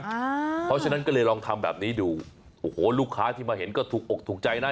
เพราะฉะนั้นก็เลยลองทำแบบนี้ดูโอ้โหลูกค้าที่มาเห็นก็ถูกอกถูกใจนะ